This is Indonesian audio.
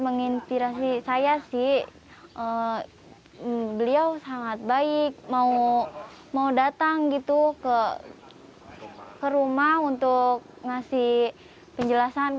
menginspirasi saya sih beliau sangat baik mau mau datang gitu ke ke rumah untuk ngasih penjelasan